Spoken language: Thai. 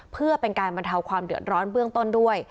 เพื่อเป็นการบรรเทาความเดือดร้อนเบื้องต้นด้วย